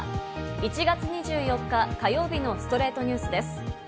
１月２４日、火曜日の『ストレイトニュース』です。